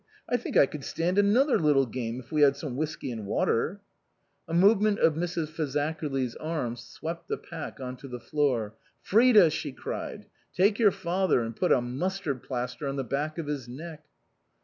I think I could stand another little game if we had some whiskey and water." A movement of Mrs. Fazakerly's arm swept the pack on to the floor. "Frida," she cried, " take your father and put a mustard plaster on the back of his neck."